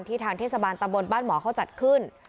ทางเทศบาลตำบลบ้านหมอเขาจัดขึ้น